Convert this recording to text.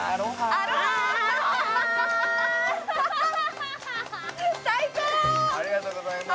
ありがとうございます